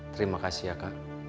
terima kasih ya kak